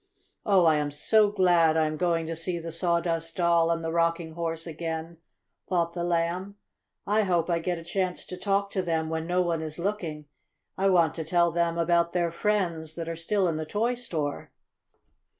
"Oh, I am so glad I am going to see the Sawdust Doll and the Rocking Horse again," thought the Lamb. "I hope I get a chance to talk to them when no one is looking. I want to tell them about their friends that are still in the toy store."